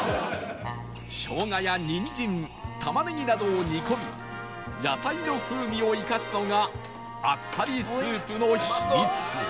生姜やニンジン玉ねぎなどを煮込み野菜の風味を生かすのがあっさりスープの秘密